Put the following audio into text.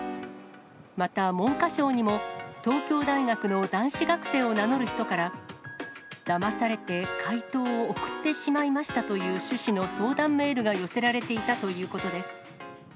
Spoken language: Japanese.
また、文科省にも、東京大学の男子学生を名乗る人から、だまされて解答を送ってしまいましたという趣旨の相談メールが寄せられていたということです。